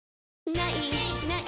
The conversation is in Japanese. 「ない！ない！